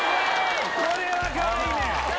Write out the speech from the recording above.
これはかわいいね。